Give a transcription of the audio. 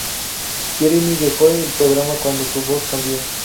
Jeremy dejó el programa cuando su voz cambió.